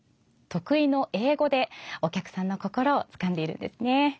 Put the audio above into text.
得意の英語でお客さんの心をつかんでいるんですね。